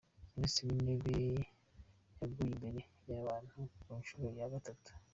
Minisitiri w’intebe yaguye imbere y’abantu ku nshuro ya gatatu